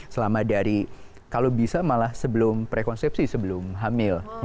selama dari kalau bisa malah sebelum prekonsepsi sebelum hamil